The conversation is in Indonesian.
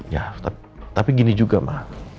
ya tapi gini juga mah